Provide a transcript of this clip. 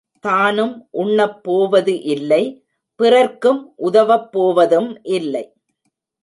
தானும் உண்ணப்போவது இல்லை பிறர்க்கும் உதவப் போவதும் இல்லை.